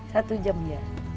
satu jam dia